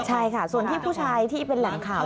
ใช่ค่ะส่วนที่ผู้ชายที่เป็นแหล่งข่าว